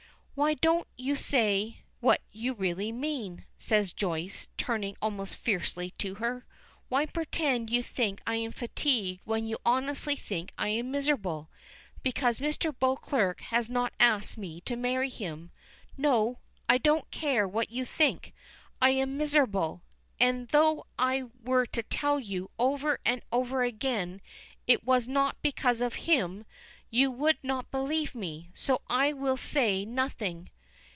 "Why don't you say what you really mean?" says Joyce, turning almost fiercely to her. "Why pretend you think I am fatigued when you honestly think I am miserable, because Mr. Beauclerk has not asked me to marry him. No! I don't care what you think. I am miserable! And though I were to tell you over and over again it was not because of him, you would not believe me, so I will say nothing."